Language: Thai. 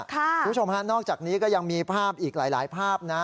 คุณผู้ชมฮะนอกจากนี้ก็ยังมีภาพอีกหลายภาพนะ